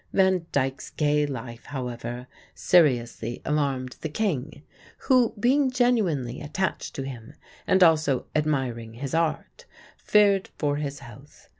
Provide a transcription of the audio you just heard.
Van Dyck's gay life, however, seriously alarmed the king, who, being genuinely attached to him and also admiring his art, feared for his health.